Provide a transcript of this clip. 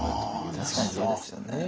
確かにそうですよね。